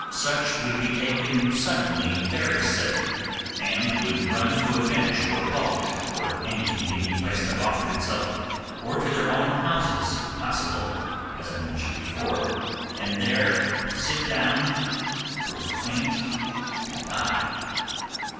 Such would be taken suddenly very sick, and would run to a bench or bulk, or any convenient place that offered itself, or to their own houses if possible, as I mentioned before, and there sit down, grow faint, and die.